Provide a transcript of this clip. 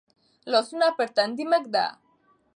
لاسونه پر تندي مه ږده.